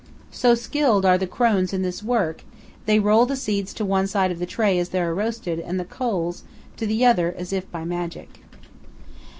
So skilled are the crones in this work they roll the seeds to one side of the tray as they are roasted and the coals to the other as if by magic.